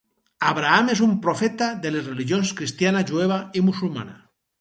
Abraham és un profeta de les religions cristiana, jueva i musulmana